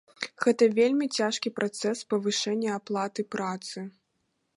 Гэта вельмі цяжкі працэс павышэння аплаты працы.